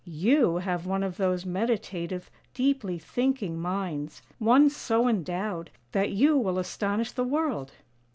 You have one of those meditative, deeply thinking minds, one so endowed that you will astonish the world."